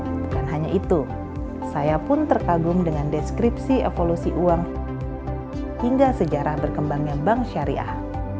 bukan hanya itu saya pun terkagum dengan deskripsi evolusi uang hingga sejarah berkembangnya bank syariah